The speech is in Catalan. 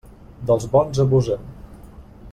Dels bons abusen.